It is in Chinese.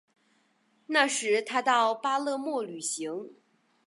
那时他到巴勒莫旅行。